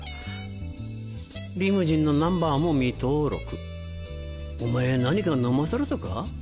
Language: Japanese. リムジンのナンバーも未登録お前何か飲まされたか？